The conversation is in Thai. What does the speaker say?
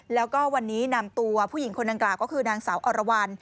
แล้วก็วันนี้นำตัวผู้หญิงคนดังกล่าวก็คือนางสาวอรวรรณ